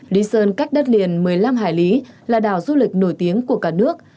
lý sơn cách đất liền một mươi năm hải lý là đảo du lịch nổi tiếng của cả nước